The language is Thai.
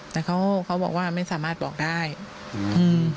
แต่เขาเขาบอกว่าไม่สามารถบอกได้อืม